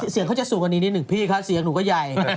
เสียงเขาจะสูงกว่านี้นิดหนึ่งพี่คะเสียงหนูก็ใหญ่